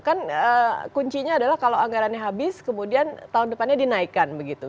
kan kuncinya adalah kalau anggarannya habis kemudian tahun depannya dinaikkan begitu